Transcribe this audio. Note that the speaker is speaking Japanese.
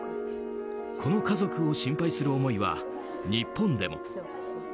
この家族を心配する思いは日本でも。